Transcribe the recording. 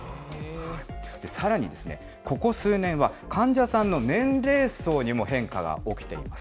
さらに、ここ数年は患者さんの年齢層にも変化が起きています。